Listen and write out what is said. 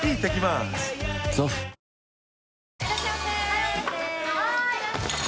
はい！